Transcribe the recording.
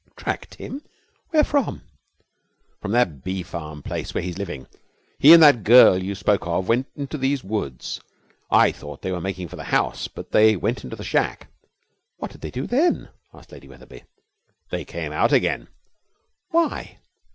'Tracked him? Where from?' 'From that bee farm place where he's living. He and that girl you spoke of went into these woods. I thought they were making for the house, but they went into the shack.' 'What did they do then?' asked Lady Wetherby. 'They came out again.' 'Why?'